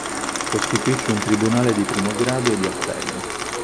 Costituisce un tribunale di primo grado e di appello.